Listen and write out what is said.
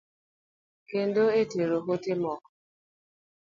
Kendo e tero ote moko.